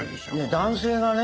男性がね